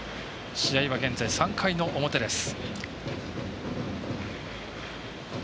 試合は現在３回の表です。